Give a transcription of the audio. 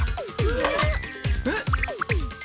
えっ？